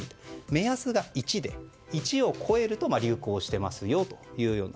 目安が１で、１を超えると流行していますよというような。